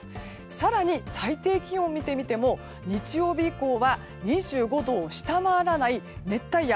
更に最低気温を見てみても日曜日以降は２５度を下回らない熱帯夜。